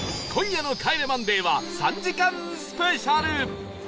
今夜の『帰れマンデー』は３時間スペシャル！